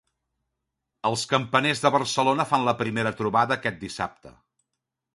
Els campaners de Barcelona fan la primera trobada aquest dissabte.